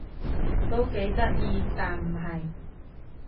都幾得意但唔係